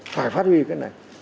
phải phát huy cái này